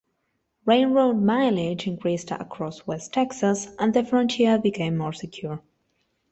Railroad mileage increased across West Texas, and the frontier became more secure.